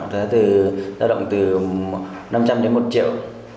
là dao động từ năm trăm linh đến một triệu